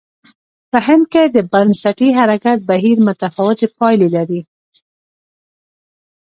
په هند کې د بنسټي حرکت بهیر متفاوتې پایلې لرلې.